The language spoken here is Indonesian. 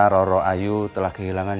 roro ayu telah kehilangan